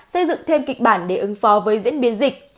xây dựng thêm kịch bản để ứng phó với diễn biến dịch